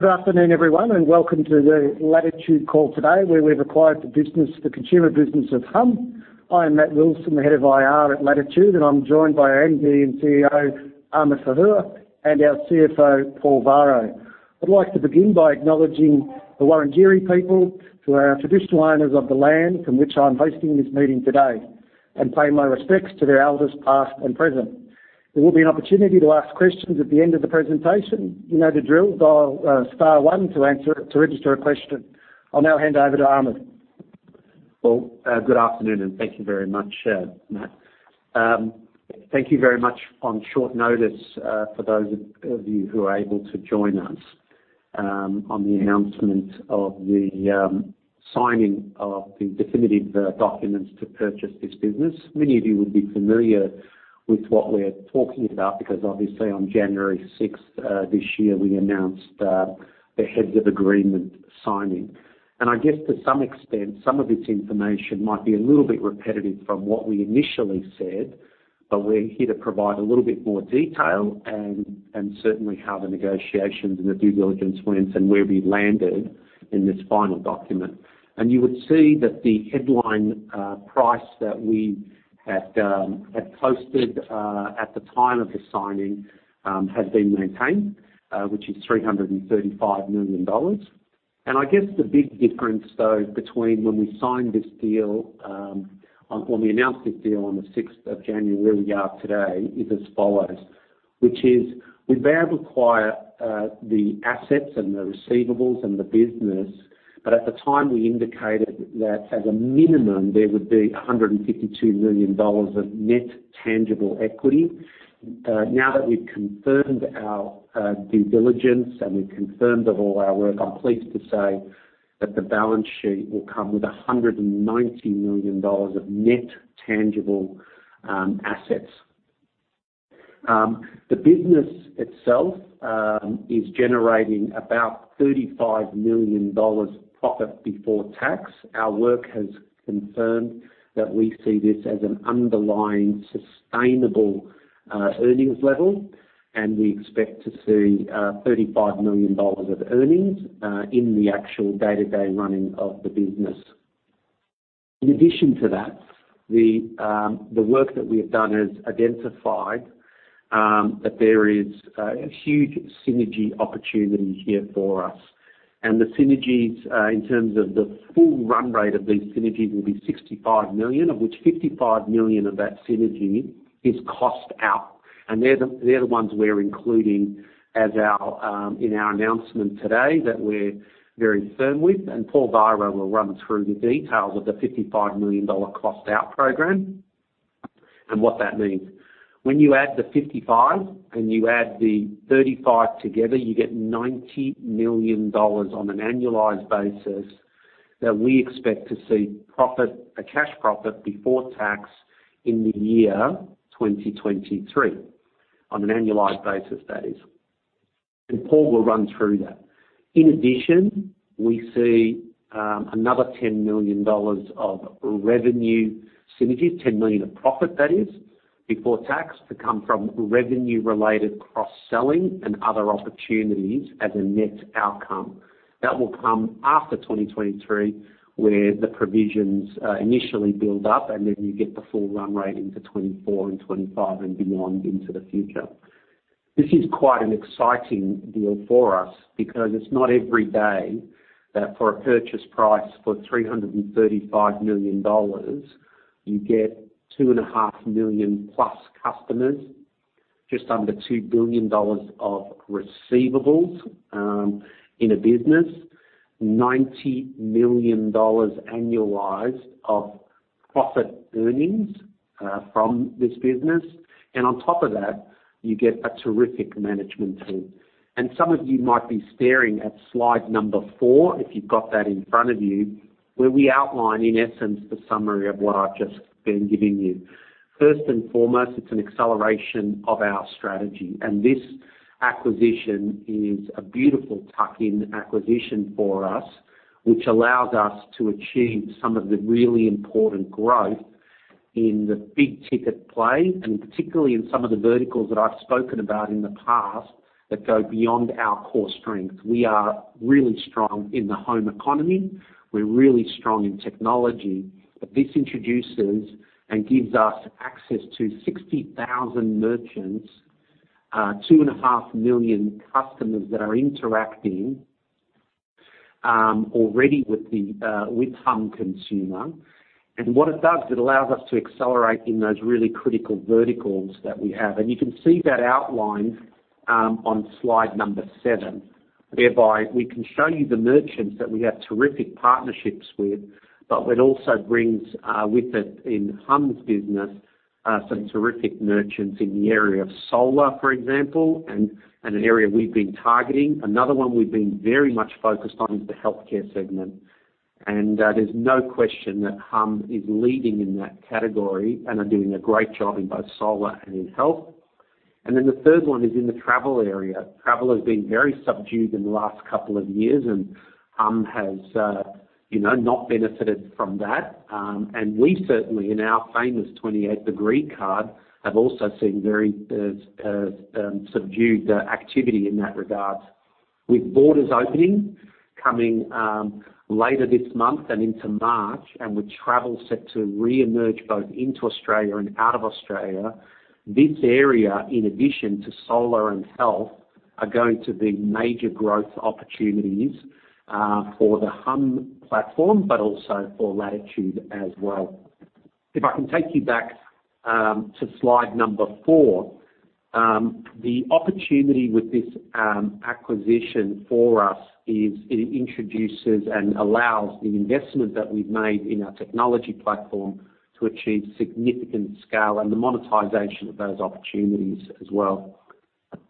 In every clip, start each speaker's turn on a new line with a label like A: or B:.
A: Good afternoon, everyone, and welcome to the Latitude call today, where we've acquired the business, the consumer business of Humm. I am Matt Wilson, the head of IR at Latitude, and I'm joined by our MD and CEO, Ahmed Fahour, and our CFO, Paul Varro. I'd like to begin by acknowledging the Wurundjeri people, who are our traditional owners of the land from which I'm hosting this meeting today, and pay my respects to their elders past and present. There will be an opportunity to ask questions at the end of the presentation. You know the drill, dial star one to register a question. I'll now hand over to Ahmed.
B: Well, good afternoon, and thank you very much, Matt. Thank you very much on short notice, for those of you who are able to join us, on the announcement of the signing of the definitive documents to purchase this business. Many of you would be familiar with what we're talking about because obviously on January sixth, this year, we announced the heads of agreement signing. I guess to some extent, some of this information might be a little bit repetitive from what we initially said, but we're here to provide a little bit more detail and certainly how the negotiations and the due diligence went and where we landed in this final document. You would see that the headline price that we had posted at the time of the signing has been maintained, which is 335 million dollars. I guess the big difference though, between when we signed this deal, when we announced this deal on the sixth of January, where we are today is as follows, which is we were able to acquire the assets and the receivables and the business, but at the time, we indicated that as a minimum, there would be 152 million dollars of net tangible assets. Now that we've confirmed our due diligence and we've confirmed all of our work, I'm pleased to say that the balance sheet will come with 190 million dollars of net tangible assets. The business itself is generating about 35 million dollars profit before tax. Our work has confirmed that we see this as an underlying sustainable earnings level, and we expect to see 35 million dollars of earnings in the actual day-to-day running of the business. In addition to that, the work that we have done has identified that there is a huge synergy opportunity here for us. The synergies in terms of the full run rate of these synergies will be 65 million, of which 55 million of that synergy is cost out. They're the ones we're including as our in our announcement today that we're very firm with. Paul Varro will run through the details of the 55 million dollar cost-out program and what that means. When you add the 55 and you add the 35 together, you get 90 million dollars on an annualized basis that we expect to see profit, a cash profit before tax in the year 2023. On an annualized basis, that is. Paul will run through that. In addition, we see another 10 million dollars of revenue synergies, 10 million of profit that is, before tax to come from revenue-related cross-selling and other opportunities as a net outcome. That will come after 2023, where the provisions initially build up and then you get the full run rate into 2024 and 2025 and beyond into the future. This is quite an exciting deal for us because it's not every day that for a purchase price for 335 million dollars, you get 2.5 million+ customers, just under 2 billion dollars of receivables, in a business, 90 million dollars annualized of profit earnings, from this business. On top of that, you get a terrific management team. Some of you might be staring at slide number four, if you've got that in front of you, where we outline, in essence, the summary of what I've just been giving you. First and foremost, it's an acceleration of our strategy. This acquisition is a beautiful tuck-in acquisition for us, which allows us to achieve some of the really important growth in the big-ticket play, and particularly in some of the verticals that I've spoken about in the past that go beyond our core strength. We are really strong in the home economy. We're really strong in technology. This introduces and gives us access to 60,000 merchants, two and a half million customers that are interacting already with the with Humm consumer. What it does is it allows us to accelerate in those really critical verticals that we have. You can see that outlined on slide number seven, whereby we can show you the merchants that we have terrific partnerships with, but it also brings with it in Humm's business some terrific merchants in the area of solar, for example, and an area we've been targeting. Another one we've been very much focused on is the healthcare segment. There's no question that Humm is leading in that category and are doing a great job in both solar and in health. Then the third one is in the travel area. Travel has been very subdued in the last couple of years, and Humm has you know not benefited from that. We certainly, in our famous 28 Degrees card, have also seen very subdued activity in that regard. With borders opening coming later this month and into March, and with travel set to re-emerge both into Australia and out of Australia, this area, in addition to solar and health, are going to be major growth opportunities for the Humm platform, but also for Latitude as well. If I can take you back to slide number 4, the opportunity with this acquisition for us is it introduces and allows the investment that we've made in our technology platform to achieve significant scale and the monetization of those opportunities as well.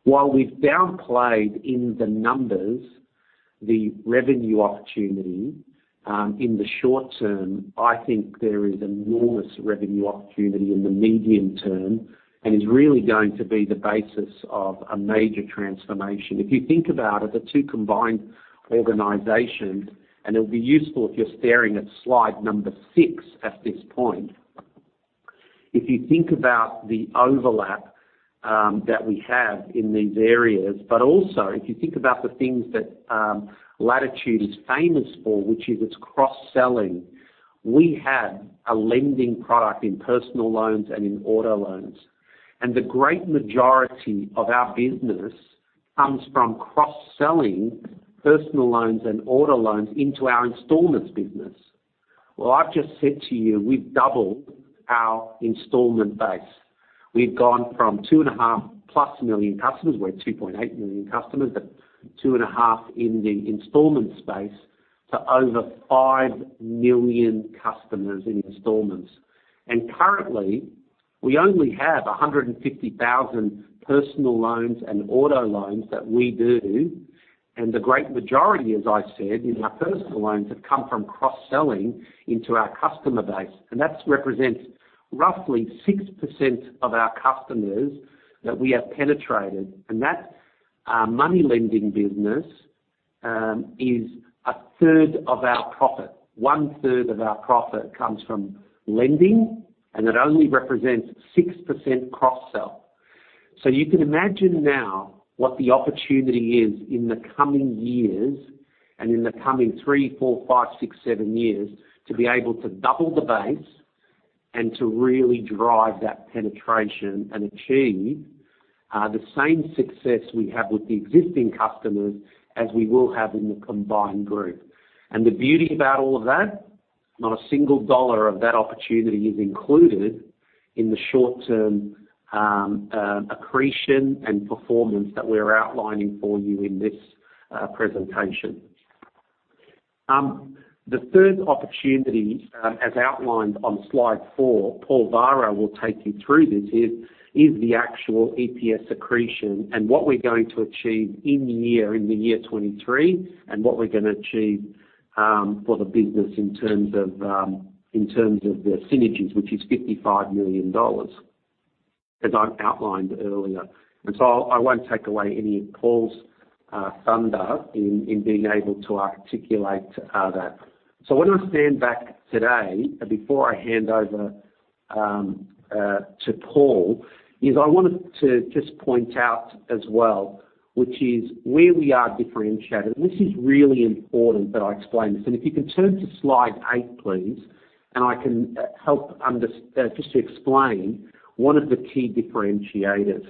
B: While we've downplayed in the numbers the revenue opportunity, in the short term, I think there is enormous revenue opportunity in the medium term and is really going to be the basis of a major transformation. If you think about it, the two combined organizations, and it'll be useful if you're staring at slide number six at this point. If you think about the overlap, that we have in these areas, but also if you think about the things that, Latitude is famous for, which is its cross-selling, we have a lending product in personal loans and in auto loans, and the great majority of our business comes from cross-selling personal loans and auto loans into our installments business. Well, I've just said to you, we've doubled our installment base. We've gone from 2.5+ million customers. We're at 2.8 million customers, but 2.5 in the installments space to over 5 million customers in installments. Currently, we only have 150,000 personal loans and auto loans that we do, and the great majority, as I said, in our personal loans have come from cross-selling into our customer base. That represents roughly 6% of our customers that we have penetrated, and that, our money lending business, is a third of our profit. One third of our profit comes from lending, and it only represents 6% cross-sell. You can imagine now what the opportunity is in the coming years and in the coming 3, 4, 5, 6, 7 years to be able to double the base and to really drive that penetration and achieve the same success we have with the existing customers as we will have in the combined group. The beauty about all of that, not a single dollar of that opportunity is included in the short term accretion and performance that we're outlining for you in this presentation. The third opportunity, as outlined on slide 4, Paul Varro will take you through this, is the actual EPS accretion and what we're going to achieve in the year 2023, and what we're gonna achieve for the business in terms of the synergies, which is 55 million dollars, as I outlined earlier. I won't take away any of Paul Varro's thunder in being able to articulate that. When I stand back today, before I hand over to Paul Varro, I wanted to just point out as well, which is where we are differentiated. This is really important that I explain this. If you can turn to slide 8, please, and I can help just to explain one of the key differentiators.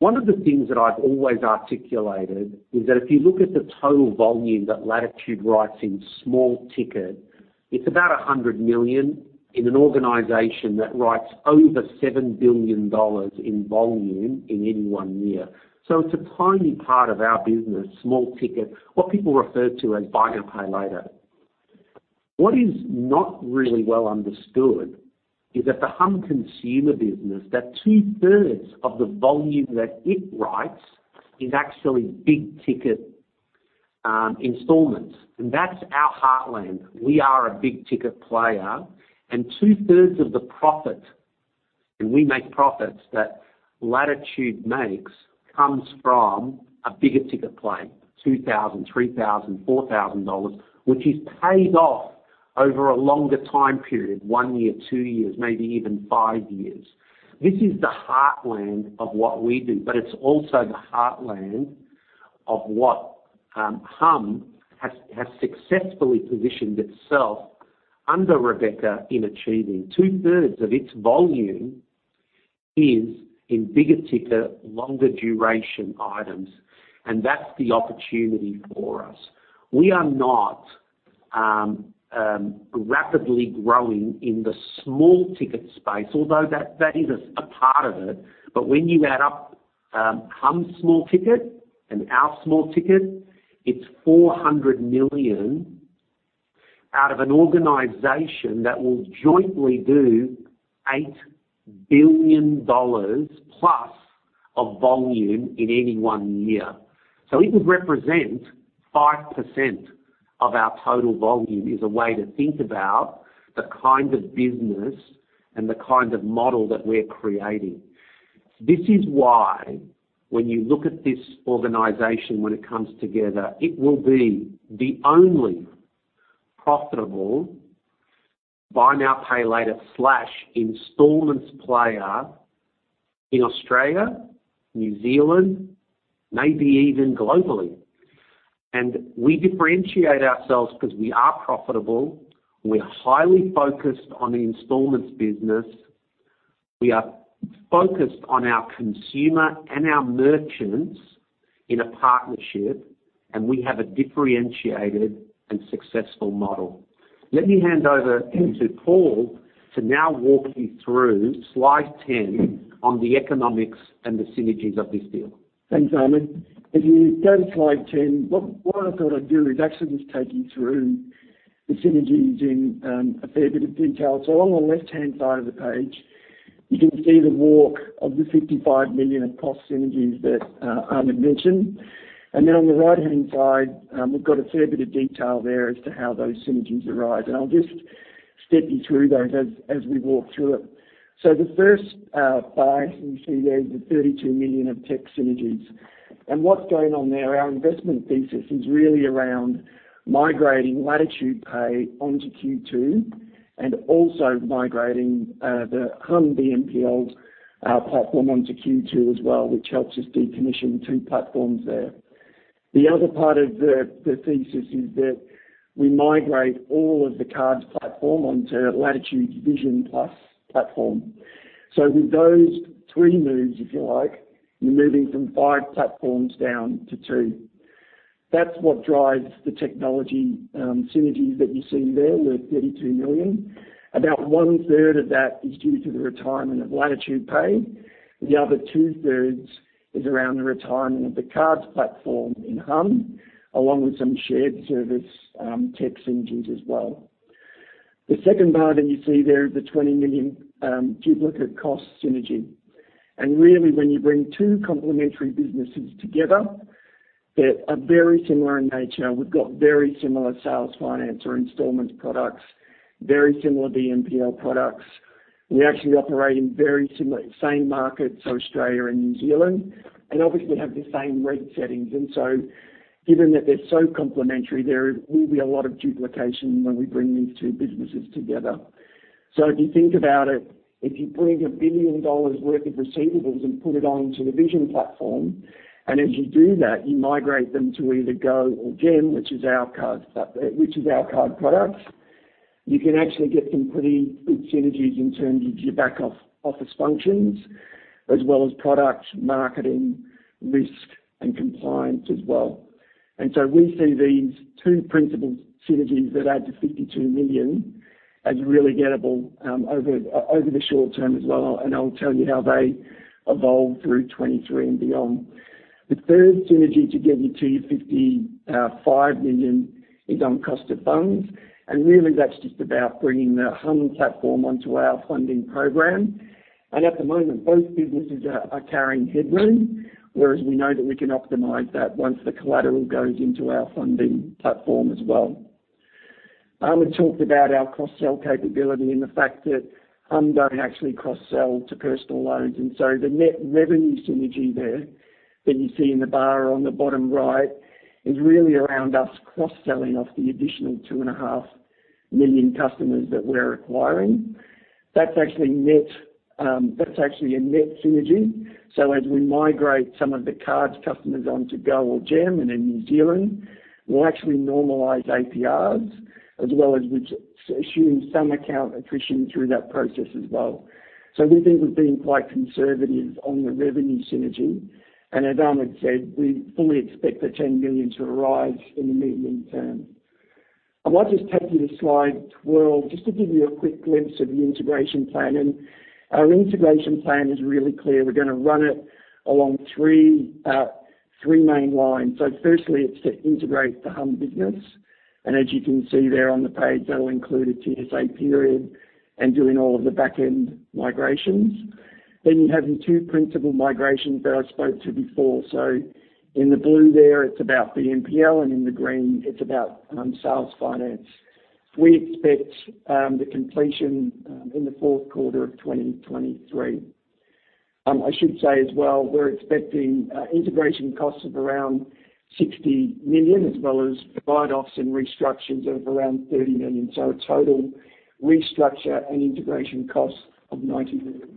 B: One of the things that I've always articulated is that if you look at the total volume that Latitude writes in small ticket, it's about 100 million in an organization that writes over 7 billion dollars in volume in any one year. It's a tiny part of our business, small ticket, what people refer to as buy now, pay later. What is not really well understood is that the Humm consumer business, that two-thirds of the volume that it writes is actually big-ticket installments, and that's our heartland. We are a big ticket player, and two-thirds of the profit, and we make profits that Latitude makes, comes from a bigger ticket play, 2000, 3000, 4000 dollars, which is paid off over a longer time period, one year, two years, maybe even five years. This is the heartland of what we do, but it's also the heartland of what Humm has successfully positioned itself under Rebecca in achieving. Two-thirds of its volume is in bigger ticket, longer duration items, and that's the opportunity for us. We are not rapidly growing in the small ticket space, although that is a part of it. But when you add up Humm's small ticket and our small ticket, it's 400 million out of an organization that will jointly do 8 billion dollars plus of volume in any one year. So it would represent 5% of our total volume, is a way to think about the kind of business and the kind of model that we're creating. This is why when you look at this organization, when it comes together, it will be the only profitable buy now, pay later/installments player in Australia, New Zealand, maybe even globally. We differentiate ourselves because we are profitable. We're highly focused on the installments business. We are focused on our consumer and our merchants in a partnership, and we have a differentiated and successful model. Let me hand over to Paul to now walk you through slide 10 on the economics and the synergies of this deal.
C: Thanks, Ahmed. If you go to slide 10, what I thought I'd do is actually just take you through the synergies in a fair bit of detail. Along the left-hand side of the page, you can see the walk of the 55 million of cost synergies that Ahmed mentioned. Then on the right-hand side, we've got a fair bit of detail there as to how those synergies arise. I'll just step you through those as we walk through it. The first bar you can see there is the 32 million of tech synergies. What's going on there, our investment thesis is really around migrating LatitudePay onto Q2 and also migrating the Humm BNPL's platform onto Q2 as well, which helps us decommission two platforms there. The other part of the thesis is that we migrate all of the cards platform onto Latitude VisionPLUS platform. With those three moves, if you like, you're moving from five platforms down to two. That's what drives the technology synergies that you see there, the 32 million. About one-third of that is due to the retirement of LatitudePay. The other two-thirds is around the retirement of the cards platform in Humm, along with some shared service tech synergies as well. The second bar that you see there is the 20 million duplicate cost synergy. Really when you bring two complementary businesses together that are very similar in nature, we've got very similar sales finance or installment products, very similar BNPL products. We actually operate in very similar, same markets, so Australia and New Zealand, and obviously have the same rate settings. Given that they're so complementary, there will be a lot of duplication when we bring these two businesses together. If you think about it, if you bring 1 billion dollars worth of receivables and put it onto the Vision platform, and as you do that, you migrate them to either GO or Gem, which is our card products. You can actually get some pretty good synergies in terms of your back-office functions, as well as product, marketing, risk, and compliance as well. We see these two principal synergies that add to 52 million as really gettable over the short term as well, and I'll tell you how they evolve through 2023 and beyond. The third synergy to get you to your 55 million is on cost of funds. Really that's just about bringing the Humm platform onto our funding program. At the moment, both businesses are carrying headroom, whereas we know that we can optimize that once the collateral goes into our funding platform as well. Ahmed talked about our cross-sell capability and the fact that Humm don't actually cross-sell to personal loans, and so the net revenue synergy there that you see in the bar on the bottom right is really around us cross-selling off the additional 2.5 million customers that we're acquiring. That's actually net, that's actually a net synergy. As we migrate some of the cards customers onto GO or Gem and in New Zealand, we'll actually normalize APRs as well as we assume some account attrition through that process as well. We think we've been quite conservative on the revenue synergy. As Ahmed said, we fully expect the 10 million to arise in the medium term. I might just take you to slide 12 just to give you a quick glimpse of the integration plan. Our integration plan is really clear. We're gonna run it along 3 main lines. Firstly, it's to integrate the Humm business. As you can see there on the page, that'll include a TSA period and doing all of the back-end migrations. You have the 2 principal migrations that I spoke to before. In the blue there, it's about BNPL, and in the green, it's about sales finance. We expect the completion in the fourth quarter of 2023. I should say as well, we're expecting integration costs of around 60 million, as well as write-offs and restructures of around 30 million. A total restructure and integration cost of 90 million.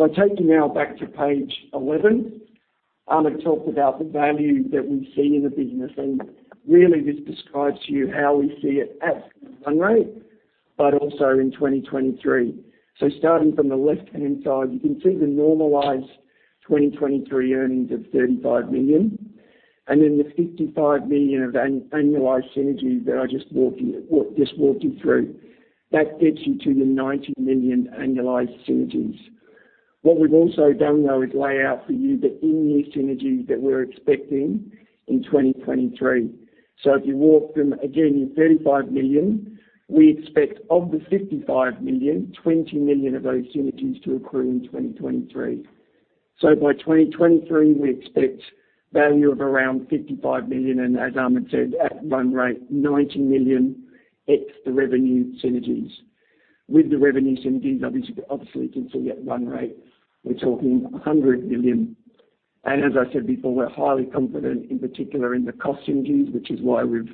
C: If I take you now back to page 11, Ahmed talked about the value that we see in the business, and really this describes to you how we see it at run rate, but also in 2023. Starting from the left-hand side, you can see the normalized 2023 earnings of AUD 35 million, and then the 55 million of annualized synergies that I just walked you through. That gets you to the 90 million annualized synergies. What we've also done, though, is lay out for you the in-year synergies that we're expecting in 2023. If you walk them again, you're 35 million. We expect of the 55 million, 20 million of those synergies to accrue in 2023. By 2023, we expect value of around 55 million, and as Ahmed said, at run rate, 90 million, ex the revenue synergies. With the revenue synergies, obviously you can see at run rate, we're talking 100 million. As I said before, we're highly confident, in particular in the cost synergies, which is why we've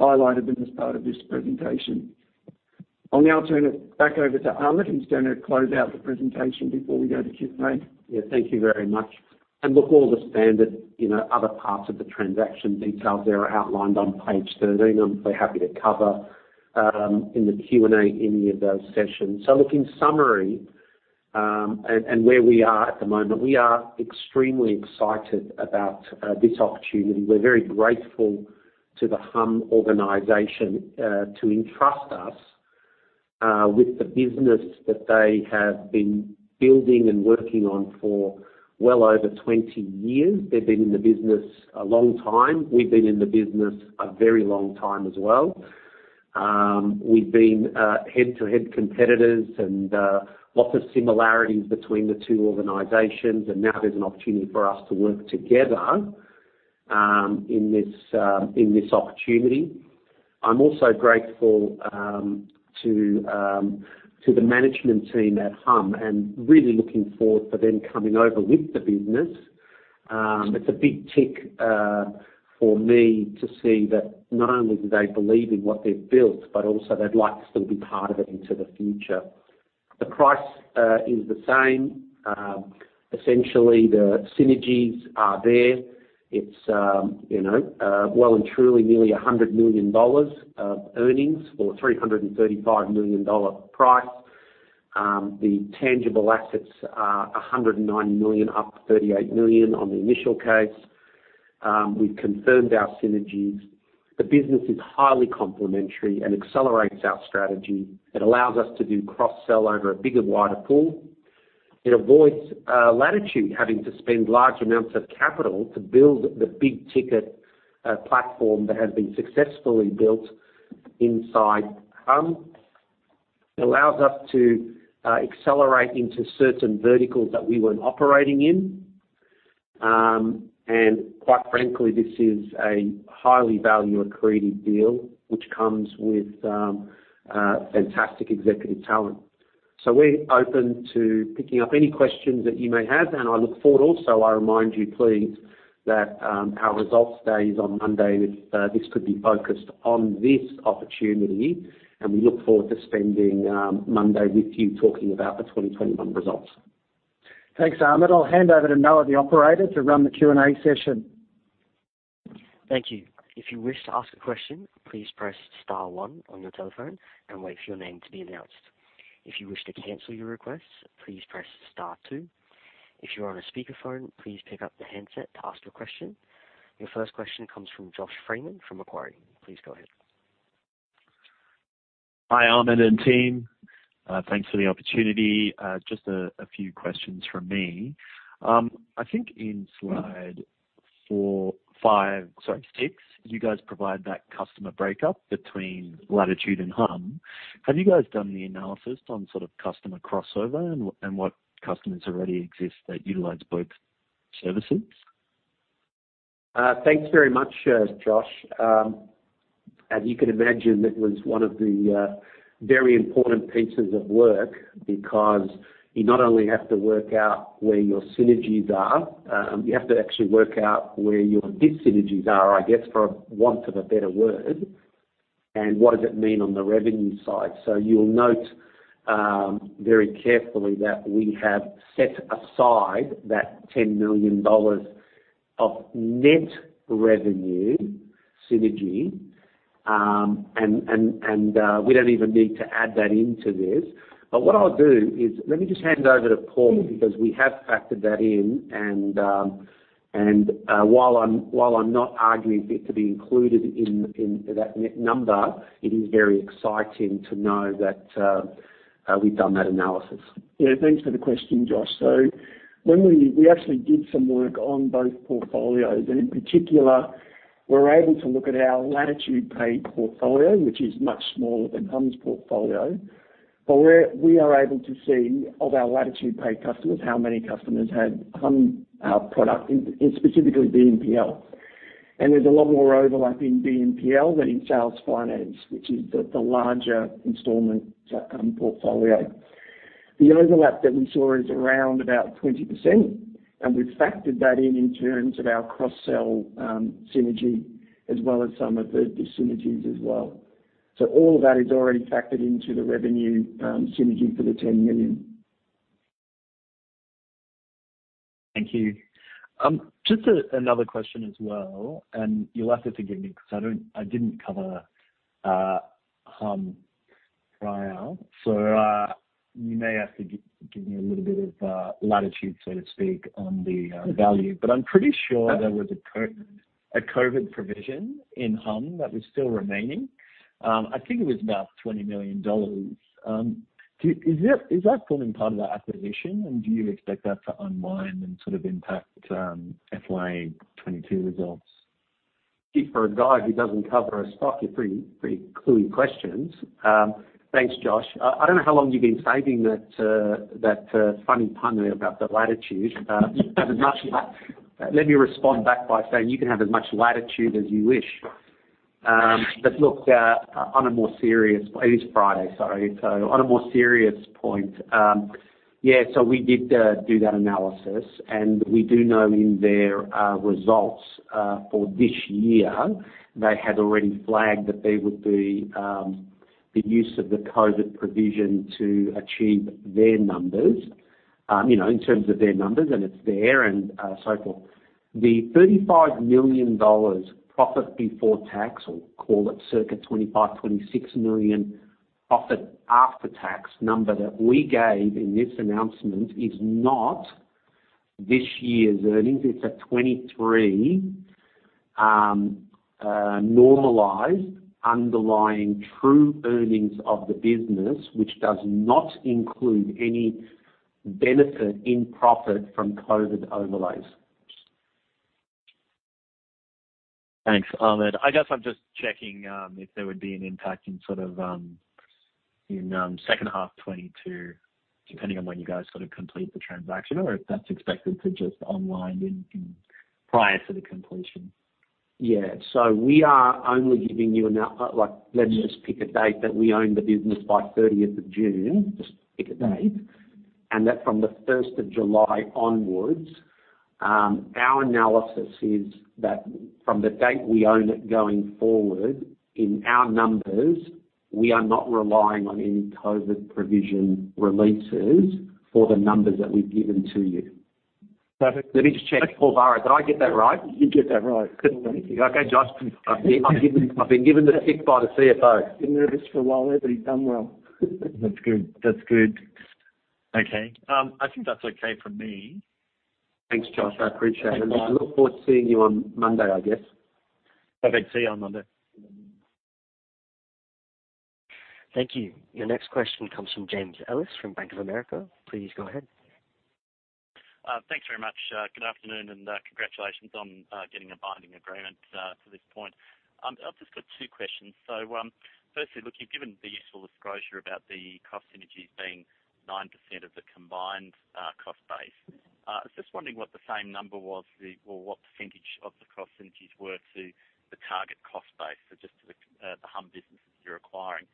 C: highlighted them as part of this presentation. I'll now turn it back over to Ahmed, who's gonna close out the presentation before we go to Q&A.
B: Yeah, thank you very much. Look, all the standard, you know, other parts of the transaction details there are outlined on page 13. I'm happy to cover in the Q&A any of those sessions. Look, in summary, and where we are at the moment, we are extremely excited about this opportunity. We're very grateful to the Humm organization to entrust us with the business that they have been building and working on for well over 20 years. They've been in the business a long time. We've been in the business a very long time as well. We've been head-to-head competitors and lots of similarities between the two organizations. Now there's an opportunity for us to work together in this opportunity. I'm also grateful to the management team at Humm and really looking forward for them coming over with the business. It's a big tick for me to see that not only do they believe in what they've built, but also they'd like to still be part of it into the future. The price is the same. Essentially, the synergies are there. It's, you know, well and truly nearly 100 million dollars of earnings for 335 million dollar price. The tangible assets are 109 million, up 38 million on the initial case. We've confirmed our synergies. The business is highly complementary and accelerates our strategy. It allows us to do cross-sell over a bigger, wider pool. It avoids Latitude having to spend large amounts of capital to build the big ticket platform that has been successfully built inside Humm. It allows us to accelerate into certain verticals that we weren't operating in. Quite frankly, this is a highly value-accretive deal, which comes with fantastic executive talent. We're open to picking up any questions that you may have, and I look forward. Also, I remind you, please, that our results day is on Monday, which could be focused on this opportunity, and we look forward to spending Monday with you talking about the 2021 results.
C: Thanks, Ahmed. I'll hand over to Noah, the operator, to run the Q&A session.
D: Thank you. If you wish to ask a question, please press star one on your telephone and wait for your name to be announced. If you wish to cancel your request, please press star two. If you're on a speakerphone, please pick up the handset to ask your question. Your first question comes from Josh Freiman from Macquarie. Please go ahead.
E: Hi, Ahmed and team. Thanks for the opportunity. Just a few questions from me. I think in slide 6, you guys provide that customer breakup between Latitude and Humm. Have you guys done the analysis on sort of customer crossover and what customers already exist that utilize both services?
B: Thanks very much, Josh. As you can imagine, that was one of the very important pieces of work because you not only have to work out where your synergies are, you have to actually work out where your dis-synergies are, I guess, for want of a better word, and what does it mean on the revenue side. You'll note very carefully that we have set aside that 10 million dollars of net revenue synergy, and we don't even need to add that into this. What I'll do is let me just hand over to Paul because we have factored that in and while I'm not arguing for it to be included in that net number, it is very exciting to know that we've done that analysis.
C: Yeah, thanks for the question, Josh. We actually did some work on both portfolios, and in particular, we're able to look at our LatitudePay portfolio, which is much smaller than Humm's portfolio. We are able to see of our LatitudePay customers, how many customers had Humm product in specifically BNPL. There's a lot more overlap in BNPL than in sales finance, which is the larger installment portfolio. The overlap that we saw is around about 20%, and we've factored that in in terms of our cross-sell synergy as well as some of the dis-synergies as well. All of that is already factored into the revenue synergy for the 10 million.
E: Thank you. Just another question as well, and you'll have to forgive me 'cause I didn't cover Humm prior. You may have to give me a little bit of latitude, so to speak, on the value. I'm pretty sure there was a COVID provision in Humm that was still remaining. I think it was about 20 million dollars. Is that forming part of that acquisition, and do you expect that to unwind and sort of impact FY 2022 results?
B: For a guy who doesn't cover a stock, you're pretty cluey questions. Thanks, Josh. I don't know how long you've been saving that funny pun about the latitude. Let me respond back by saying you can have as much latitude as you wish, but look, on a more serious point. It is Friday, sorry. On a more serious point, yeah, we did do that analysis, and we do know in their results for this year, they had already flagged that there would be the use of the COVID provision to achieve their numbers, you know, in terms of their numbers, and it's there and so forth. The 35 million dollars profit before tax, or call it circa 25-26 million profit after tax number that we gave in this announcement is not this year's earnings. It's a 2023 normalized underlying true earnings of the business, which does not include any benefit in profit from COVID overlays.
E: Thanks, Ahmed. I guess I'm just checking if there would be an impact in sort of second half 2022, depending on when you guys sort of complete the transaction or if that's expected to just online in prior to the completion?
B: Yeah. We are only giving you, like, let's just pick a date that we own the business by 30th of June, just pick a date. That from the first of July onwards, our analysis is that from the date we own it going forward, in our numbers, we are not relying on any COVID provision releases for the numbers that we've given to you.
E: Perfect.
B: Let me just check. Paul Varro, did I get that right?
C: You did get that right.
B: Okay, Josh. I've been given the tick by the CFO.
C: Been nervous for a while there, but he's done well.
B: That's good. That's good.
E: Okay. I think that's okay for me.
B: Thanks, Josh. I appreciate it.
E: Thanks, Ahmed.
B: I look forward to seeing you on Monday, I guess.
E: Perfect. See you on Monday.
D: Thank you. Your next question comes from James Ellis from Bank of America. Please go ahead.
F: Thanks very much. Good afternoon, and congratulations on getting a binding agreement to this point. I've just got two questions. Firstly, look, you've given the useful disclosure about the cost synergies being 9% of the combined cost base. I was just wondering what the same number was or what percentage of the cost synergies were to the target cost base. Just to the Humm businesses you're acquiring.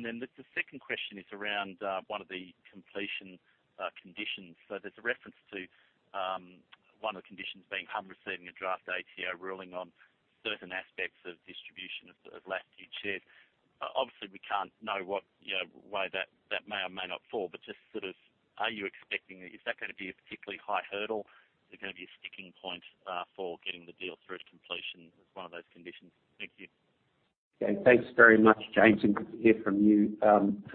F: Then the second question is around one of the completion conditions. There's a reference to one of the conditions being Humm receiving a draft ATO ruling on certain aspects of distribution of Latitude shares. Obviously, we can't know what, you know, way that may or may not fall, but just sort of, are you expecting... Is that gonna be a particularly high hurdle? Is it gonna be a sticking point, for getting the deal through to completion as one of those conditions? Thank you.
B: Yeah. Thanks very much, James. Good to hear from you,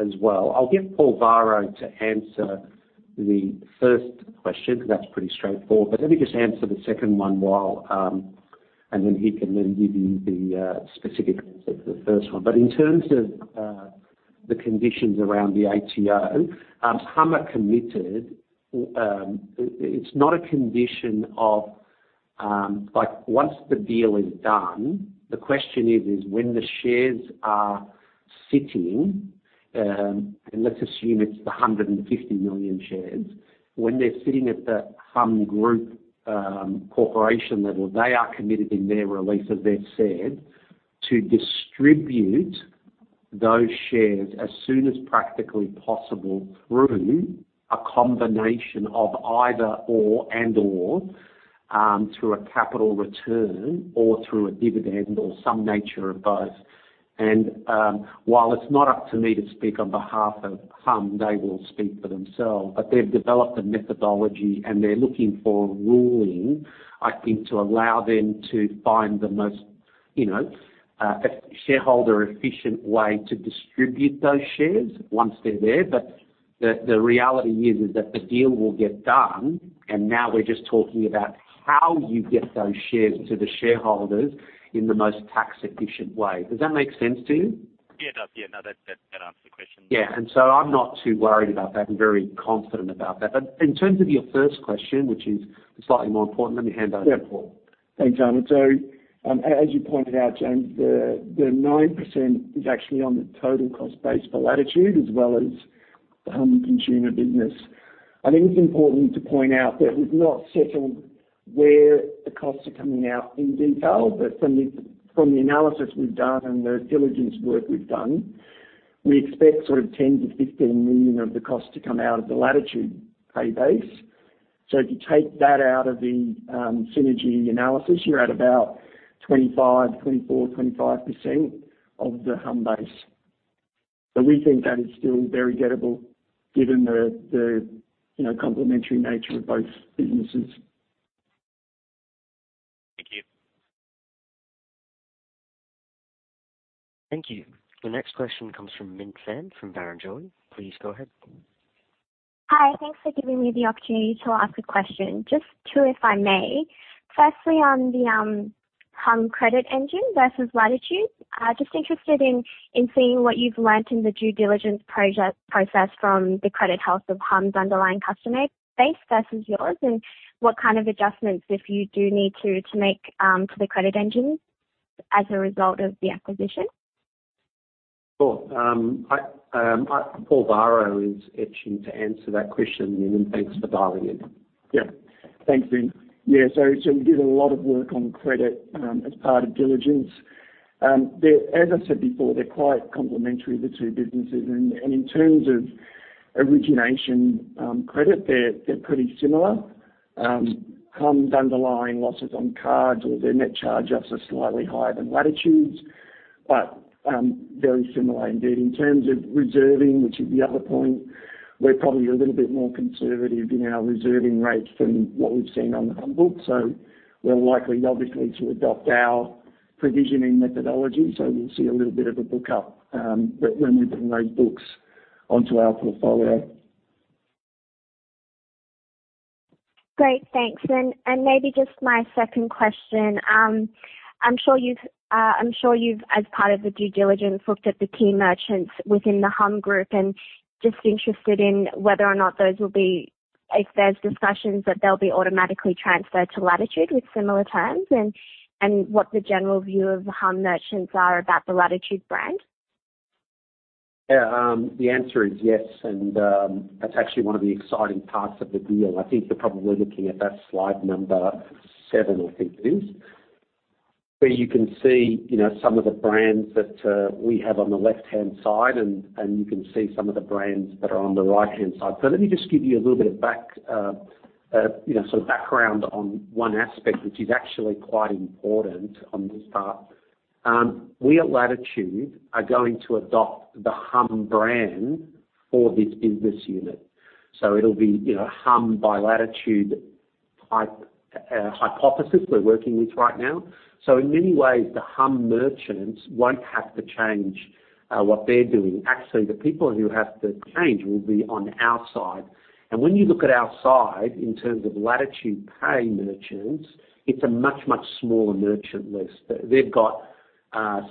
B: as well. I'll get Paul Varro to answer the first question because that's pretty straightforward. Let me just answer the second one while, and then he can then give you the specific answer to the first one. In terms of the conditions around the ATO, Humm are committed. It's not a condition of. Like, once the deal is done, the question is when the shares are sitting, and let's assume it's the 150 million shares. When they're sitting at the Humm group, corporation level, they are committed in their release, as they've said, to distribute those shares as soon as practically possible through a combination of either or, and/or, through a capital return or through a dividend or some nature of both. While it's not up to me to speak on behalf of Humm, they will speak for themselves, but they've developed a methodology, and they're looking for a ruling, I think, to allow them to find the most shareholder efficient way to distribute those shares once they're there. The reality is that the deal will get done, and now we're just talking about how you get those shares to the shareholders in the most tax-efficient way. Does that make sense to you?
F: Yeah. No. That answers the question.
B: Yeah. I'm not too worried about that. I'm very confident about that. In terms of your first question, which is slightly more important, let me hand over to Paul.
C: Yeah. Thanks, Ahmed. As you pointed out, James, the 9% is actually on the total cost base for Latitude as well as the Humm consumer business. I think it's important to point out that we've not settled where the costs are coming out in detail, but from the analysis we've done and the diligence work we've done, we expect sort of 10 million-15 million of the cost to come out of the LatitudePay base. If you take that out of the synergy analysis, you're at about 25, 24, 25% of the Humm base. We think that is still very gettable given the you know, complementary nature of both businesses.
F: Thank you.
D: Thank you. The next question comes from Minh Pham from Barrenjoey. Please go ahead.
G: Hi. Thanks for giving me the opportunity to ask a question. Just two, if I may. Firstly, on the Humm credit engine versus Latitude, just interested in seeing what you've learned in the due diligence process from the credit health of Humm's underlying customer base versus yours and what kind of adjustments if you do need to make to the credit engine as a result of the acquisition.
B: Sure. Paul Varro is itching to answer that question, Min. Thanks for dialing in.
C: Thanks, Minh. We did a lot of work on credit as part of diligence. As I said before, they're quite complementary, the two businesses. In terms of origination credit, they're pretty similar. Humm's underlying losses on cards or their net charge-offs are slightly higher than Latitude's, but very similar indeed. In terms of reserving, which is the other point, we're probably a little bit more conservative in our reserving rates than what we've seen on the Humm books. We're likely, obviously, to adopt our provisioning methodology, so we'll see a little bit of a book up when we bring those books onto our portfolio.
G: Great. Thanks. Maybe just my second question. I'm sure you've as part of the due diligence looked at the key merchants within the Humm Group and I'm just interested in if there's discussions that they'll be automatically transferred to Latitude with similar terms and what the general view of the Humm merchants are about the Latitude brand.
B: Yeah. The answer is yes, and that's actually one of the exciting parts of the deal. I think you're probably looking at that slide number 7, I think it is, where you can see, you know, some of the brands that we have on the left-hand side, and you can see some of the brands that are on the right-hand side. Let me just give you a little bit of, you know, sort of background on one aspect, which is actually quite important on this part. We at Latitude are going to adopt the Humm brand for this business unit. It'll be, you know, Humm by Latitude hypothesis we're working with right now. In many ways, the Humm merchants won't have to change what they're doing. Actually, the people who have to change will be on our side. When you look at our side in terms of LatitudePay merchants, it's a much, much smaller merchant list. They've got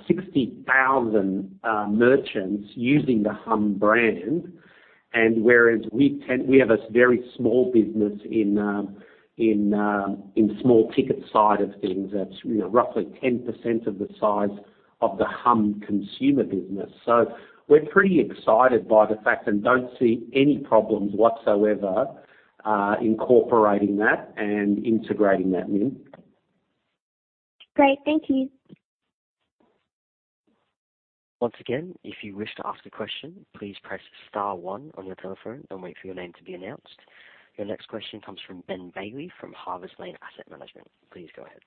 B: 60,000 merchants using the Humm brand, and whereas we have a very small business in small ticket side of things. That's, you know, roughly 10% of the size of the Humm consumer business. We're pretty excited by the fact and don't see any problems whatsoever incorporating that and integrating that in.
G: Great. Thank you.
D: Once again, if you wish to ask a question, please press star one on your telephone and wait for your name to be announced. Your next question comes from Ben Bailey from Harvest Lane Asset Management. Please go ahead.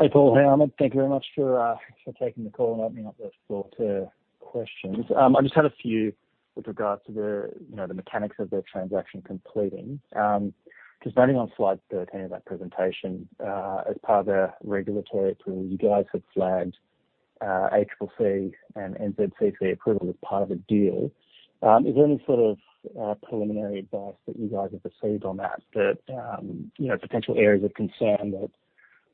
H: Hey, Paul. Hey, Ahmed. Thank you very much for taking the call and opening up the floor to questions. I just had a few with regards to the, you know, the mechanics of the transaction completing. Just noting on slide 13 of that presentation, as part of the regulatory approval, you guys have flagged ACCC and NZCC approval as part of the deal. Is there any sort of preliminary advice that you guys have received on that, you know, potential areas of concern that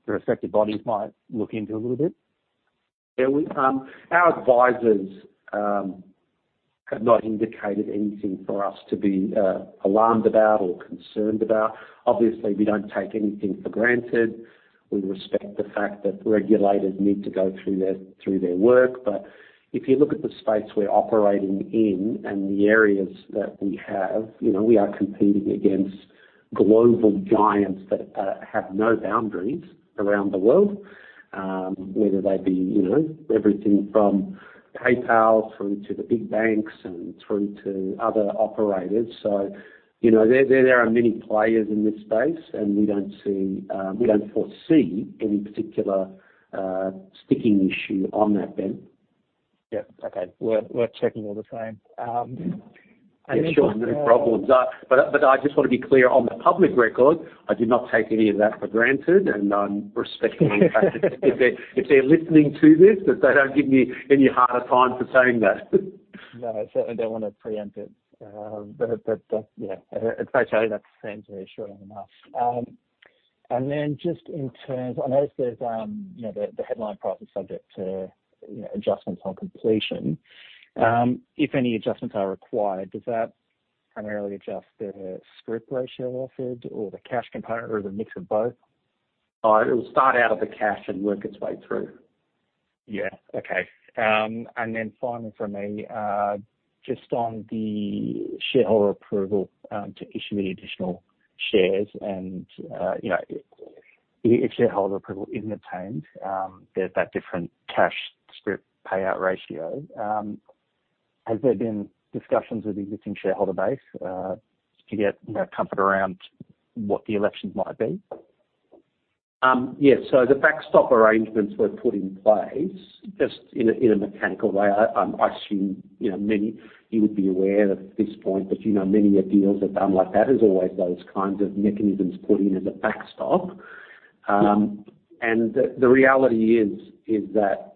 H: the respective bodies might look into a little bit?
B: Our advisors have not indicated anything for us to be alarmed about or concerned about. Obviously, we don't take anything for granted. We respect the fact that regulators need to go through their work. If you look at the space we're operating in and the areas that we have, you know, we are competing against global giants that have no boundaries around the world, whether they be, you know, everything from PayPal through to the big banks and through to other operators. You know, there are many players in this space, and we don't see, we don't foresee any particular sticking issue on that, Ben.
H: Yeah. Okay. We're checking all the same. Then just
B: Yeah, sure. No problems. I just want to be clear. On the public record, I do not take any of that for granted, and I'm respecting the fact, if they're listening to this, that they don't give me any harder time for saying that.
H: No, I certainly don't wanna preempt it. Yeah. At face value, that seems reassuring enough. Just in terms, I notice there's you know, the headline price is subject to you know, adjustments on completion. If any adjustments are required, does that primarily adjust the scrip ratio offered or the cash component or the mix of both?
B: It will start out with the cash and work its way through.
H: Finally from me, just on the shareholder approval to issue the additional shares and, you know, if shareholder approval isn't obtained, there's that different cash-scrip payout ratio. Has there been discussions with the existing shareholder base to get, you know, comfort around what the elections might be?
B: Yeah. The backstop arrangements were put in place just in a mechanical way. I assume you know many - you would be aware that at this point that, you know, many deals are done like that. There's always those kinds of mechanisms put in as a backstop. The reality is that,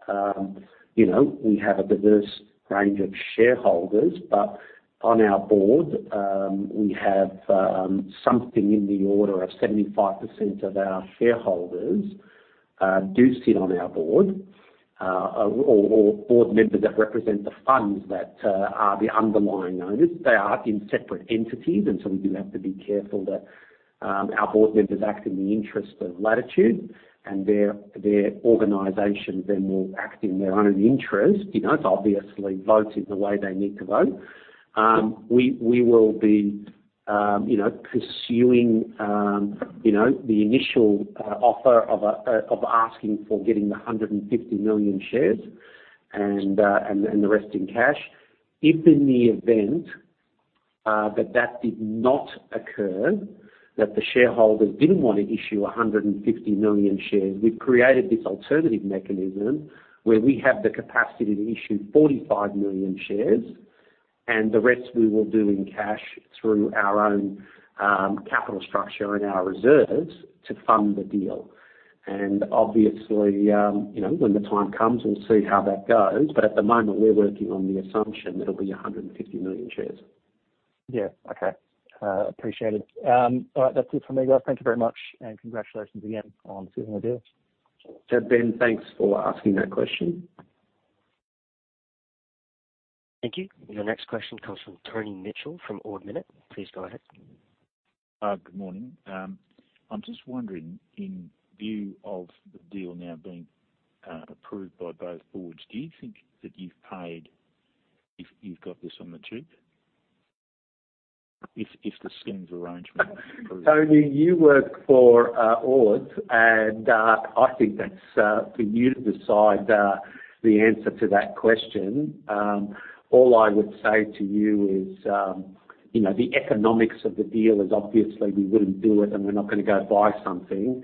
B: you know, we have a diverse range of shareholders, but on our board, we have something in the order of 75% of our shareholders do sit on our board, or board members that represent the funds that are the underlying owners. They are in separate entities, and so we do have to be careful that our board members act in the interest of Latitude and their organization then will act in their own interest. You know, obviously vote in the way they need to vote. We will be, you know, pursuing, you know, the initial offer of asking for getting the 150 million shares and the rest in cash. If in the event that did not occur, that the shareholders didn't want to issue 150 million shares, we've created this alternative mechanism where we have the capacity to issue 45 million shares and the rest we will do in cash through our own capital structure and our reserves to fund the deal. Obviously, you know, when the time comes, we'll see how that goes. At the moment, we're working on the assumption it'll be 150 million shares.
H: Yeah. Okay. Appreciate it. All right. That's it for me, guys. Thank you very much, and congratulations again on sealing the deal.
B: Yeah, Ben, thanks for asking that question.
D: Thank you. Your next question comes from Tony Mitchell from Ord Minnett. Please go ahead.
I: Good morning. I'm just wondering, in view of the deal now being approved by both boards, do you think that you've paid if you've got this on the cheap? If the scheme of arrangement
B: Tony, you work for Ord, and I think that's for you to decide, the answer to that question. All I would say to you is, you know, the economics of the deal is obviously we wouldn't do it and we're not gonna go buy something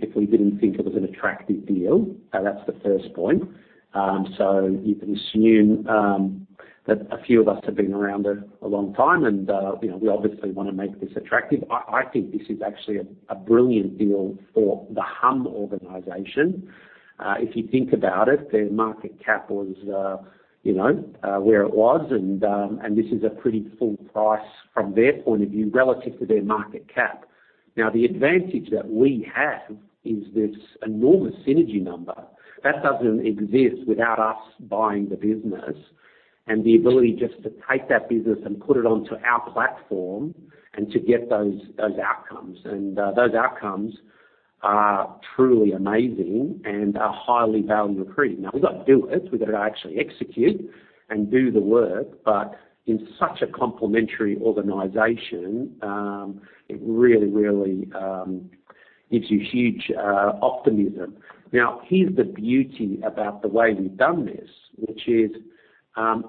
B: if we didn't think it was an attractive deal. That's the first point. You can assume that a few of us have been around a long time and, you know, we obviously wanna make this attractive. I think this is actually a brilliant deal for the Humm organization. If you think about it, their market cap was, you know, where it was, and this is a pretty full price from their point of view relative to their market cap. Now, the advantage that we have is this enormous synergy number. That doesn't exist without us buying the business and the ability just to take that business and put it onto our platform and to get those outcomes. Those outcomes are truly amazing and are highly value accretive. Now, we've got to do it. We've got to actually execute and do the work. But in such a complementary organization, it really gives you huge optimism. Now, here's the beauty about the way we've done this, which is,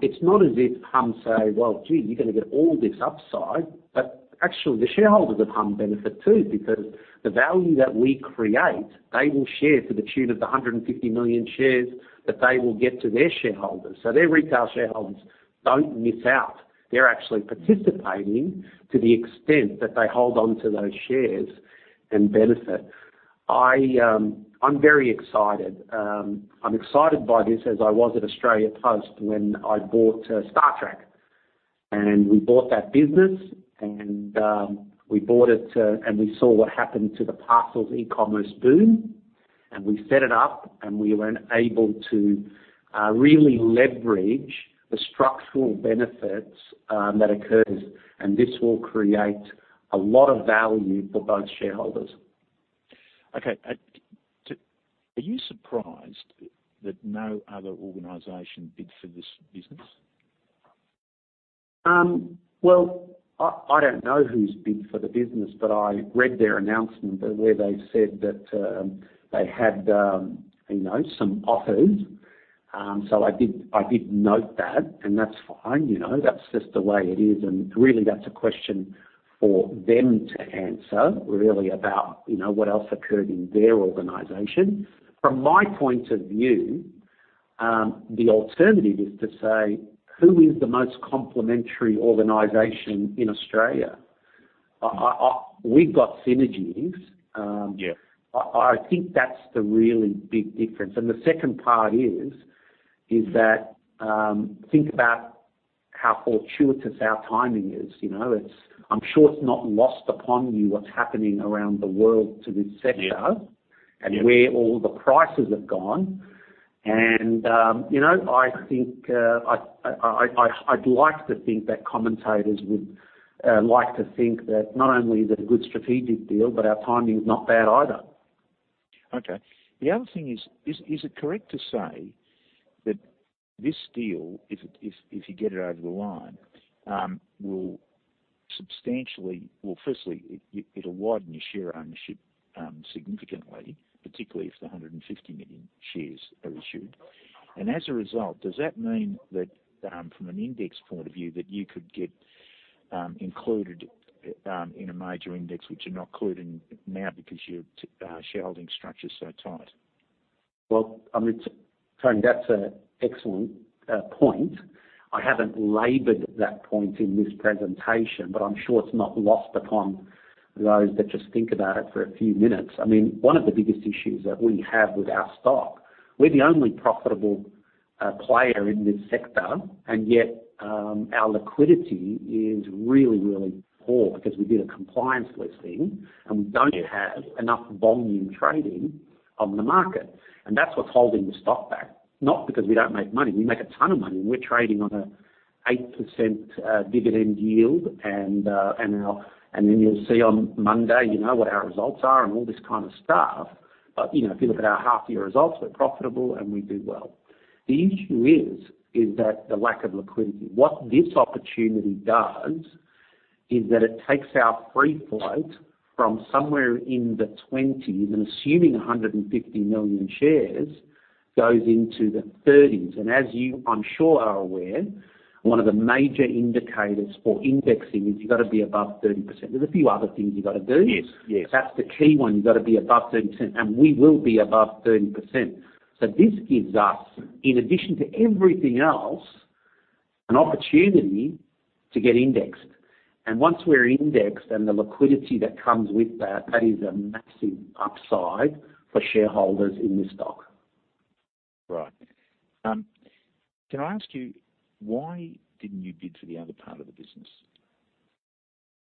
B: it's not as if Humm say, "Well, gee, you're gonna get all this upside," but actually the shareholders of Humm benefit too, because the value that we create, they will share to the tune of 150 million shares that they will get to their shareholders. Their retail shareholders don't miss out. They're actually participating to the extent that they hold on to those shares and benefit. I'm very excited by this as I was at Australia Post when I bought StarTrack. We bought that business, and we bought it, and we saw what happened to the parcels e-commerce boom, and we set it up, and we were able to really leverage the structural benefits that occurs. This will create a lot of value for both shareholders.
I: Are you surprised that no other organization bid for this business?
B: Well, I don't know who's bid for the business, but I read their announcement where they said that, they had, you know, some offers. So I did note that, and that's fine. You know, that's just the way it is. Really that's a question for them to answer, really, about, you know, what else occurred in their organization. From my point of view, the alternative is to say, who is the most complementary organization in Australia? I. We've got synergies.
I: Yeah.
B: I think that's the really big difference. The second part is that, think about how fortuitous our timing is, you know. It's. I'm sure it's not lost upon you what's happening around the world to this sector.
I: Yeah.
B: where all the prices have gone. You know, I think I'd like to think that commentators would like to think that not only is it a good strategic deal, but our timing is not bad either.
I: Okay. The other thing is it correct to say that this deal, if you get it over the line, will substantially widen your share ownership significantly, particularly if the 150 million shares are issued. As a result, does that mean that, from an index point of view, that you could get included in a major index which you're not included in now because your shareholding structure is so tight?
B: Well, I mean, Tony, that's an excellent point. I haven't labored that point in this presentation, but I'm sure it's not lost upon those that just think about it for a few minutes. I mean, one of the biggest issues that we have with our stock, we're the only profitable player in this sector, and yet our liquidity is really, really poor because we did a compliance listing, and we don't have enough volume trading on the market. That's what's holding the stock back, not because we don't make money. We make a ton of money. We're trading on a 8% dividend yield. Then you'll see on Monday, you know, what our results are and all this kind of stuff. You know, if you look at our half-year results, we're profitable and we do well. The issue is that the lack of liquidity. What this opportunity does is that it takes our free float from somewhere in the 20s and assuming 150 million shares goes into the 30s. As you, I'm sure, are aware, one of the major indicators for indexing is you got to be above 30%. There's a few other things you got to do.
I: Yes, yes.
B: That's the key one. You got to be above 30%, and we will be above 30%. This gives us, in addition to everything else, an opportunity to get indexed. Once we're indexed and the liquidity that comes with that is a massive upside for shareholders in this stock.
I: Right. Can I ask you, why didn't you bid for the other part of the business?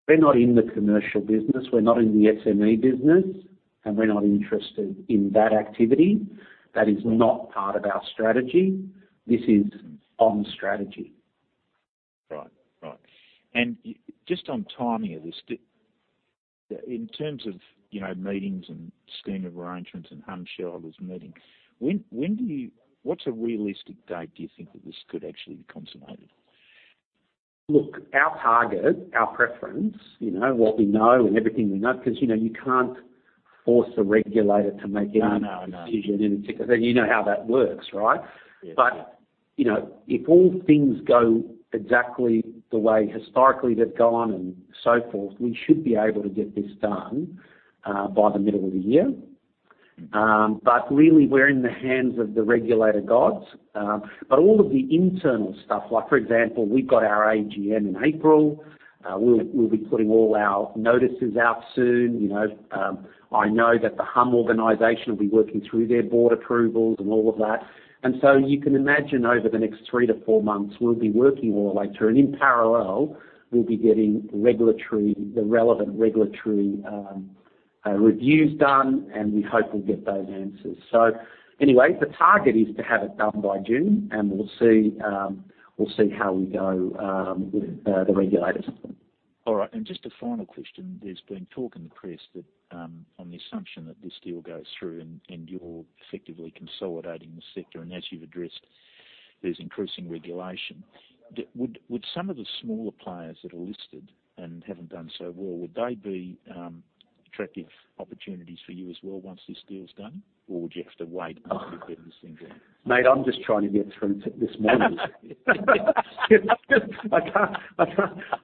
B: We're not in the commercial business, we're not in the SME business, and we're not interested in that activity. That is not part of our strategy. This is on strategy.
I: Right. Just on timing of this in terms of, you know, meetings and scheme arrangements and Humm shareholders meeting, when, what's a realistic date do you think that this could actually be consummated?
B: Look, our target, our preference, you know, what we know and everything we know, because, you know, you can't force a regulator to make any decision.
I: No, no, I know.
B: You know how that works, right?
I: Yes.
B: You know, if all things go exactly the way historically they've gone and so forth, we should be able to get this done by the middle of the year. Really we're in the hands of the regulator gods. All of the internal stuff, like, for example, we've got our AGM in April. We'll be putting all our notices out soon, you know. I know that the Humm organization will be working through their board approvals and all of that. You can imagine over the next 3-4 months, we'll be working all hours. In parallel, we'll be getting the relevant regulatory reviews done, and we hope we'll get those answers. Anyway, the target is to have it done by June, and we'll see how we go with the regulators.
I: All right. Just a final question. There's been talk in the press that, on the assumption that this deal goes through and you're effectively consolidating the sector, and as you've addressed, there's increasing regulation. Would some of the smaller players that are listed and haven't done so well, would they be attractive opportunities for you as well once this deal is done, or would you have to wait until you get this thing done?
B: Mate, I'm just trying to get through to this morning.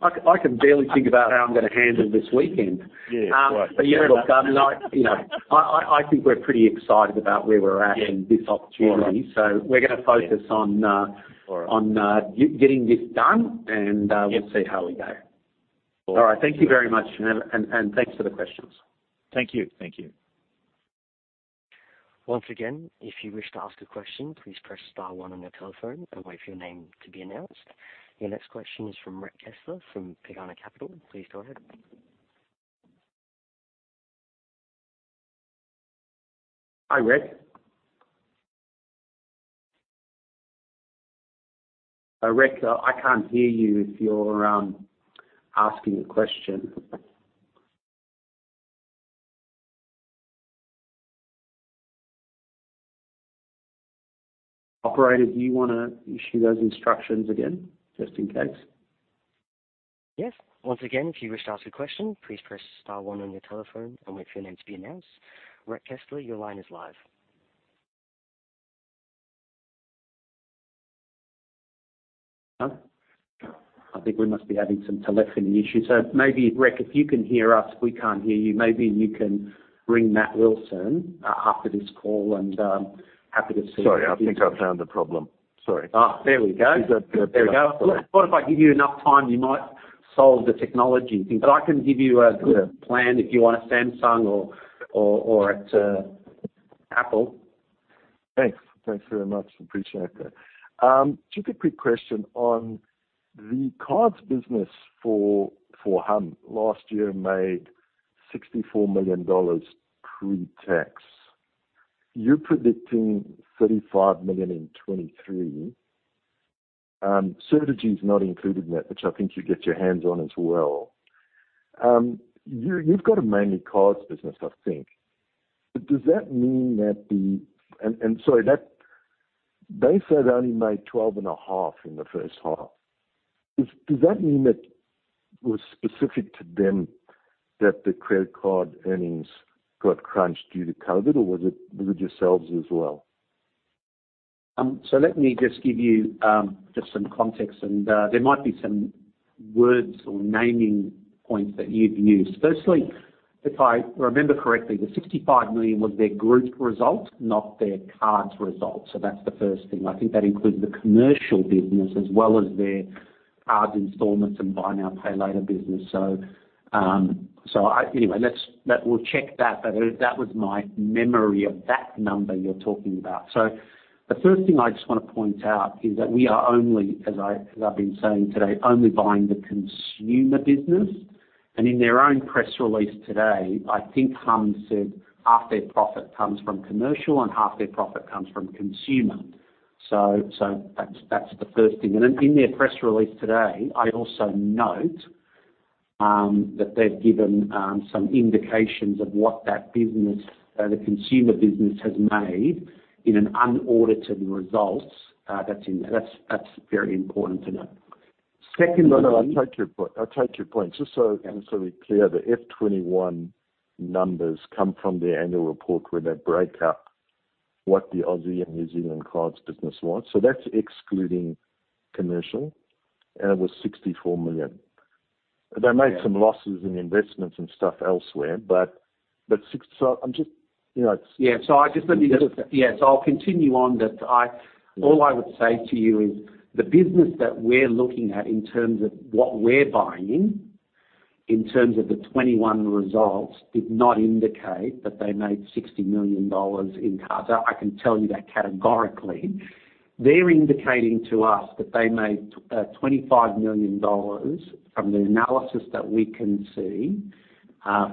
B: I can barely think about how I'm gonna handle this weekend.
I: Yeah. Right.
B: Yeah, look, you know, I think we're pretty excited about where we're at.
I: Yeah.
B: this opportunity.
I: All right.
B: We're gonna focus on.
I: All right.
B: on getting this done, and
I: Yes.
B: We'll see how we go.
I: All right.
B: All right. Thank you very much, and thanks for the questions.
I: Thank you. Thank you.
D: Once again, if you wish to ask a question, please press star one on your telephone and wait for your name to be announced. Your next question is from Rhett Kessler from Pengana Capital. Please go ahead.
B: Hi, Rhett. Rhett, I can't hear you if you're asking a question. Operator, do you wanna issue those instructions again, just in case?
D: Yes. Once again, if you wish to ask a question, please press star one on your telephone and wait for your name to be announced. Rhett Kessler, your line is live.
B: No. I think we must be having some telephony issues. Maybe, Rhett, if you can hear us, we can't hear you. Maybe you can ring Matt Wilson after this call, and happy to see-
J: Sorry. I think I found the problem. Sorry.
B: Oh, there we go.
K: Is that better?
B: There we go. I thought if I give you enough time, you might solve the technology thing. I can give you a plan if you want a Samsung or an Apple.
K: Thanks. Thanks very much. Appreciate that. Just a quick question on the cards business for Humm. Last year made 64 million dollars pre-tax. You're predicting 35 million in 2023. Certegy is not included in that, which I think you get your hands on as well. You've got a mainly cards business, I think. But does that mean that the they said only made 12.5 million in the first half. Does that mean that was specific to them that the credit card earnings got crunched due to COVID, or was it yourselves as well?
B: Let me just give you just some context, and there might be some words or naming points that you've used. Firstly, if I remember correctly, the 65 million was their group result, not their cards result. That's the first thing. I think that includes the commercial business as well as their cards installments and buy now, pay later business. Anyway, we'll check that, but that was my memory of that number you're talking about. The first thing I just wanna point out is that we are only, as I've been saying today, only buying the consumer business. In their own press release today, I think Humm said half their profit comes from commercial and half their profit comes from consumer. That's the first thing. In their press release today, I also note that they've given some indications of what that business, the consumer business has made in an unaudited results. That's very important to note.
K: No, I take your point. Just so we're clear, the FY 2021 numbers come from their annual report where they break up what the Aussie and New Zealand cards business was. That's excluding commercial, and it was 64 million. They made some losses in investments and stuff elsewhere, but six... I'm just, you know, it's-
B: Yeah.
K: Just-
B: Yeah. I'll continue on that all I would say to you is the business that we're looking at in terms of what we're buying in terms of the 2021 results did not indicate that they made 60 million dollars in cards. I can tell you that categorically. They're indicating to us that they made 25 million dollars from the analysis that we can see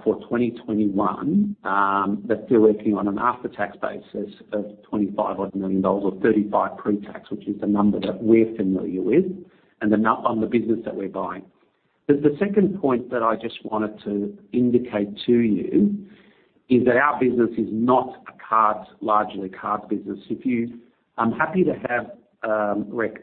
B: for 2021 that they're working on an after-tax basis of 25-odd million dollars or 35 million pre-tax, which is the number that we're familiar with and on the business that we're buying. The second point that I just wanted to indicate to you is that our business is not a cards largely cards business. I'm happy to have Rick.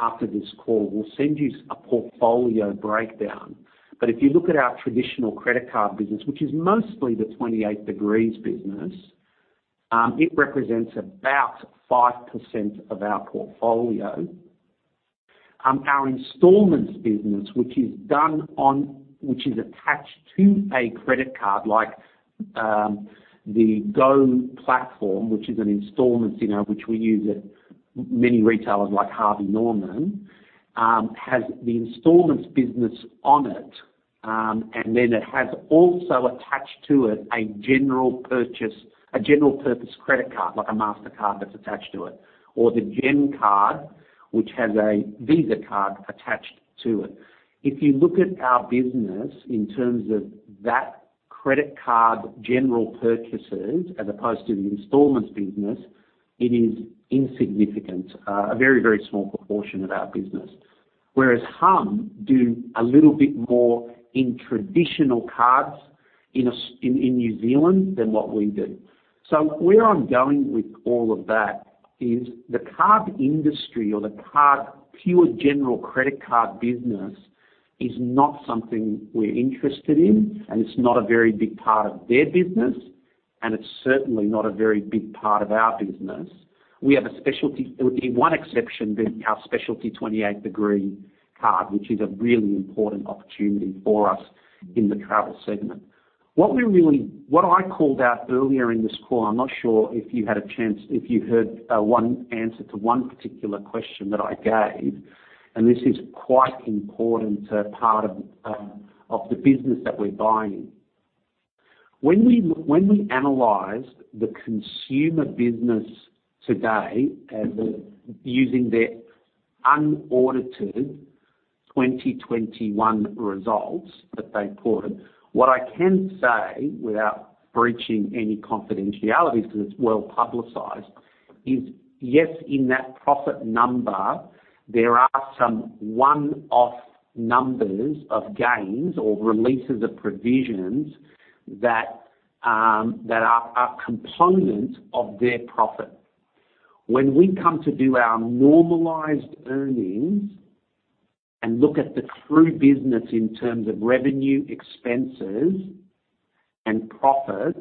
B: After this call, we'll send you a portfolio breakdown. If you look at our traditional credit card business, which is mostly the 28 Degrees business, it represents about 5% of our portfolio. Our installments business, which is attached to a credit card like the GO Platform, which is an installments, you know, which we use at many retailers like Harvey Norman, has the installments business on it, and then it has also attached to it a general purpose credit card, like a Mastercard that's attached to it or the Gem card which has a Visa card attached to it. If you look at our business in terms of that credit card general purchases as opposed to the installments business, it is insignificant, a very, very small proportion of our business. Whereas Humm does a little bit more in traditional cards in New Zealand than what we do. Where I'm going with all of that is the card industry or the card pure general credit card business is not something we're interested in and it's not a very big part of their business, and it's certainly not a very big part of our business. We have a specialty, the one exception being our specialty 28 Degrees card, which is a really important opportunity for us in the travel segment. What I called out earlier in this call, I'm not sure if you heard one answer to one particular question that I gave, and this is quite important to a part of the business that we're buying. When we analyze the consumer business today using their unaudited 2021 results that they reported, what I can say without breaching any confidentiality 'cause it's well-publicized, is yes, in that profit number there are some one-off numbers of gains or releases of provisions that that are components of their profit. When we come to do our normalized earnings and look at the true business in terms of revenue, expenses and profit,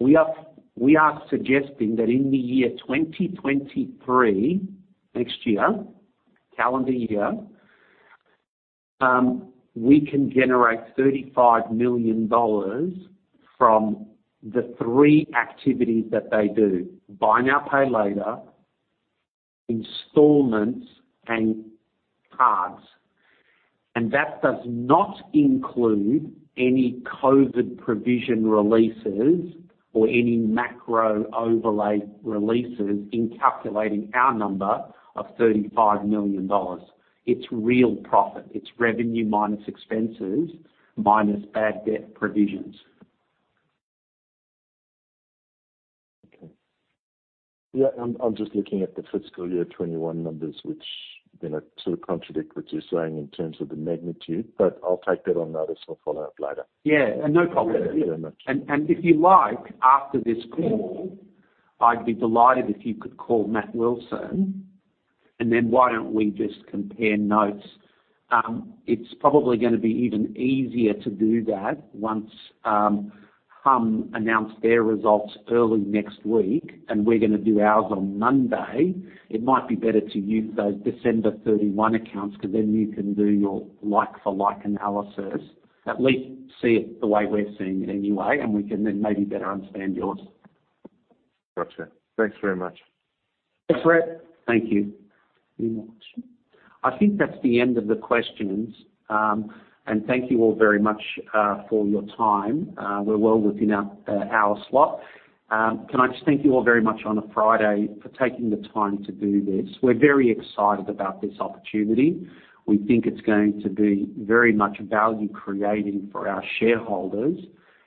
B: we are suggesting that in the year 2023, next year, calendar year, we can generate 35 million dollars from the three activities that they do: buy now, pay later, installments and cards. That does not include any COVID provision releases or any macro overlay releases in calculating our number of 35 million dollars. It's real profit. It's revenue minus expenses minus bad debt provisions.
K: Okay. Yeah, I'm just looking at the fiscal year 2021 numbers which, you know, sort of contradict what you're saying in terms of the magnitude. I'll take that on notice. I'll follow up later.
B: Yeah. No problem.
K: Thanks very much.
B: If you like, after this call I'd be delighted if you could call Matt Wilson and then why don't we just compare notes? It's probably gonna be even easier to do that once Humm announce their results early next week and we're gonna do ours on Monday. It might be better to use those December 31 accounts 'cause then you can do your like for like analysis. At least see it the way we're seeing it anyway and we can then maybe better understand yours.
K: Gotcha. Thanks very much.
B: Thanks, Rick. Thank you very much. I think that's the end of the questions. And thank you all very much for your time. We're well within our hour slot. Can I just thank you all very much on a Friday for taking the time to do this. We're very excited about this opportunity. We think it's going to be very much value creating for our shareholders.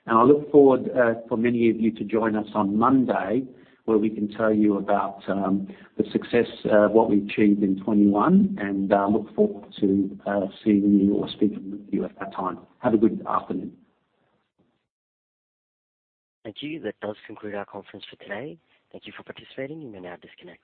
B: I look forward for many of you to join us on Monday where we can tell you about the success what we achieved in 2021 and look forward to seeing you or speaking with you at that time. Have a good afternoon.
D: Thank you. That does conclude our conference for today. Thank you for participating. You may now disconnect.